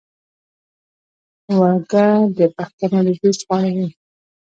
ورږۀ د پښتنو دوديز خواړۀ دي